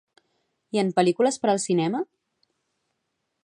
I en pel·lícules per al cinema?